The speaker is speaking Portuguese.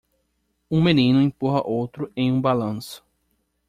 Um menino empurra outro em um balanço.